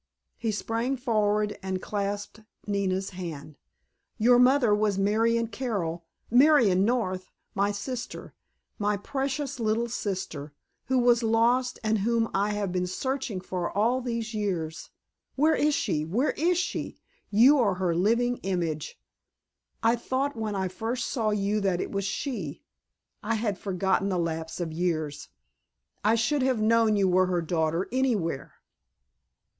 He sprang forward and clasped Nina's hand. "Your mother was Marion Carroll—Marion North—my sister—my precious little sister—who was lost, and whom I have been searching for all these years! Where is she? Where is she? You are her living image. I thought when I first saw you that it was she. I had forgotten the lapse of years. I should have known you were her daughter anywhere!"